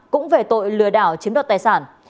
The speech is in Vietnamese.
cũng về tội lừa đảo chiếm đoạt tài sản